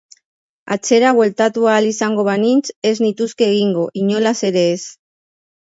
Atzera bueltatu ahal izango banintz, ez nituzke egingo, inolaz ere ez.